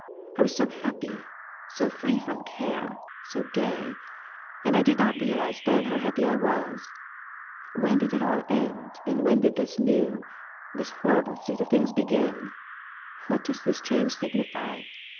1 was so happy, so free from care, so gay ! And I did not real ize then how happy I was ! When did it all end, and when did this new, this horrible state of things begin ? What does this change signify